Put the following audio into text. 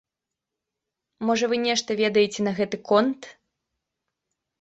Можа вы нешта ведаеце на гэты конт?